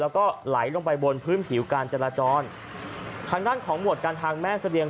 ก็ไหลลงไปบนพื้นผิวการจราจรขณะของหมวดการทางแม่สะเรียง